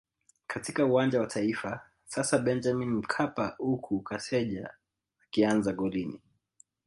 katika Uwanja wa Taifa sasa Benjamin Mkapa huku Kaseja akianza golini